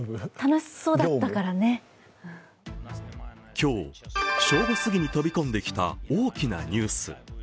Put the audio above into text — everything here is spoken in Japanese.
今日正午すぎに飛び込んできた大きなニュース。